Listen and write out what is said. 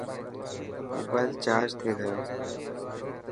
موبال چارج ٿي گيو.